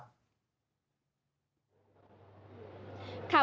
ขณะที่ปวดหน้าดาติอยู่กับผู้ถ้าเป็นใคร